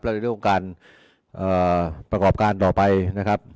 ในเรื่องของการประกอบการต่อไปนะครับ